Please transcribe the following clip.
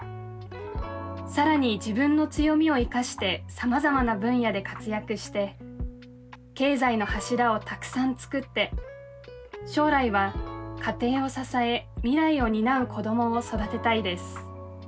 さらに自分の強みを活かして様々な分野で活躍して経済の柱をたくさん作って将来は家庭を支え未来を担う子どもを育てたいです。